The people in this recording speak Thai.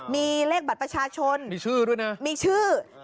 มีเลขบัตรประชาชนมีชื่อด้วยนะ